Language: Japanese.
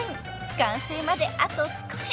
［完成まであと少し］